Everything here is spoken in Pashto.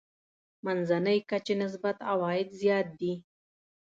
منځنۍ کچې نسبت عوايد زیات دي.